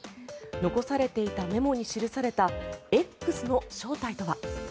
残されていたメモに記されていた「Ｘ」の正体とは。